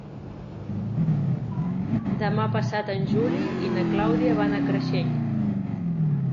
Demà passat en Juli i na Clàudia van a Creixell.